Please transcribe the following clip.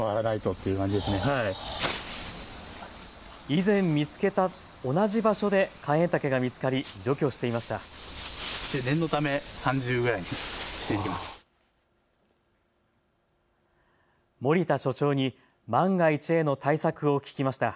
以前、見つけた同じ場所でカエンタケが見つかり除去していました。